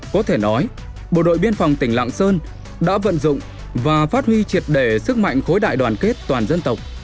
có thể nói bộ đội biên phòng tỉnh lạng sơn đã vận dụng và phát huy triệt đề sức mạnh khối đại đoàn kết toàn dân tộc